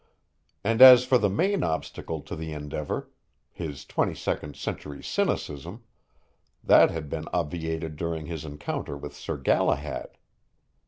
And as for the main obstacle to the endeavor his twenty second century cynicism that had been obviated during his encounter with Sir Galahad.